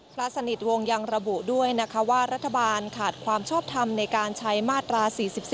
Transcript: พระสนิทวงศ์ยังระบุด้วยนะคะว่ารัฐบาลขาดความชอบทำในการใช้มาตรา๔๔